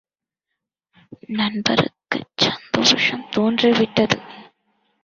நண்பருக்குச் சந்தேகம் தோன்றி விட்டது.